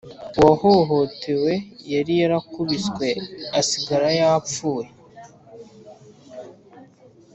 uwahohotewe yari yarakubiswe asigara yapfuye.